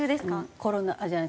コロナじゃない。